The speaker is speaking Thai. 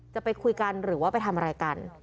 จะไปคุยกันหรือว่าไปทำอะไรกัน